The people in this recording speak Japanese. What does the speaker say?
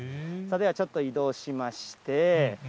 ではちょっと移動しまして。